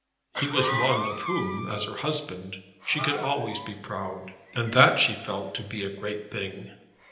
He was one of whom, as her husband, she could be always proud; and that she felt to be a great thing.